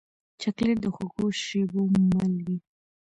چاکلېټ د خوږو شېبو مل وي.